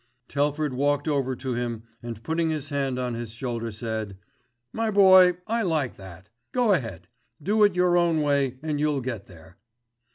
Telford walked over to him and putting his hand on his shoulder said, "My boy, I like that. Go ahead, do it your own way and you'll get there."